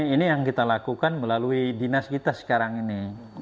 ini yang kita lakukan melalui dinas kita sekarang ini